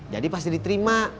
jadi pasti diterima